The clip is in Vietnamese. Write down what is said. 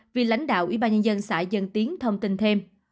vì lãnh đạo ủy ban nhân dân xã dân tiến thông tin thêm